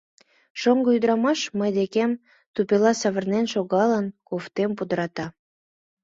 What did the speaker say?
— Шоҥго ӱдырамаш, мый декем тупела савырнен шогалын, кофем пудырата.